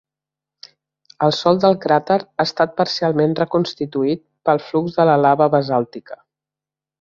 El sòl del cràter ha estat parcialment reconstituït pel flux de lava basàltica.